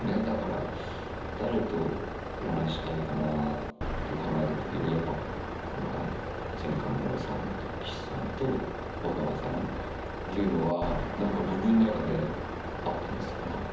だから誰とお話ししたいかなって考えたときにやっぱ今回『前科者』でお世話になった岸さんと若葉さんっていうのは何か僕の中であったんですよね。